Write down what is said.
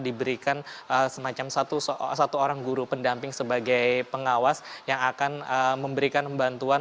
diberikan semacam satu orang guru pendamping sebagai pengawas yang akan memberikan bantuan